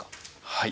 はい。